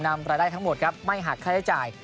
รายได้ทั้งหมดครับไม่หักค่าใช้จ่าย